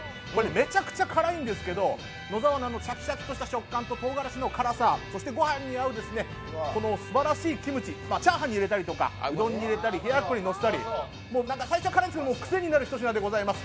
めちゃくちゃ辛いんですけど、野沢菜のシャキシャキとした食感ととうがらしの辛さ、ご飯に合うすばらしいキムチ、チャーハンに入れたりとかうどんに入れたりとか冷ややっこにのせたり、最初は辛いんですけど、癖になるひと品でございます。